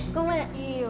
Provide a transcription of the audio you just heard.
いいよ。